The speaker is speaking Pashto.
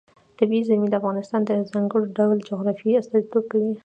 طبیعي زیرمې د افغانستان د ځانګړي ډول جغرافیه استازیتوب کوي.